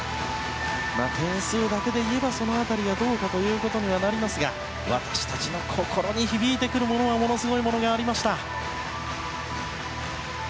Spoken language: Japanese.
点数だけで言えばその辺りがどうかですが私たちの心に響いてくるものはものすごいものがありました。